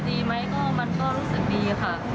ดีมั้ยก็มันรู้สึกดีค่ะ